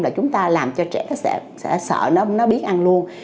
là chúng ta làm cho trẻ nó sẽ sợ nó biết ăn luôn